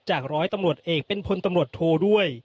ร้อยตำรวจเอกเป็นพลตำรวจโทด้วย